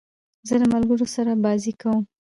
زه له ملګرو سره بازۍ کوم.